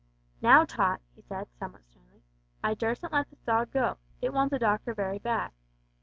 "Now, Tot," he said, somewhat sternly, "I durstn't let this dog go. It wants a doctor very bad.